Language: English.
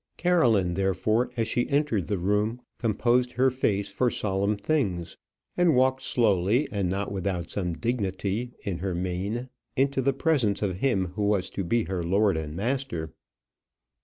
Caroline, therefore, as she entered the room composed her face for solemn things, and walked slowly, and not without some dignity in her mien, into the presence of him who was to be her lord and master.